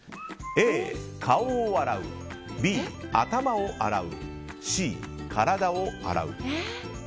Ａ、顔を洗うＢ、頭を洗うＣ、体を洗う。